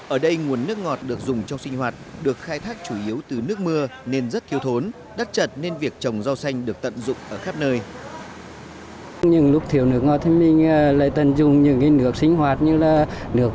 ở đây nguồn nước ngọt được dùng trong sinh hoạt được khai thác chủ yếu từ nước mưa nên rất thiếu thốn đất chật nên việc trồng rau xanh được tận dụng ở khắp nơi